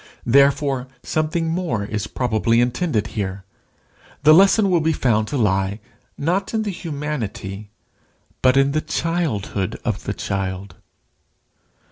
Therefore something more is probably intended here. The lesson will be found to lie not in the humanity, but in the childhood of the child.